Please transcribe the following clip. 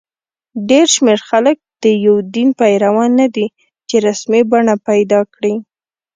ډېر شمېر خلک د یو دین پیروان نه دي چې رسمي بڼه پیدا کړي.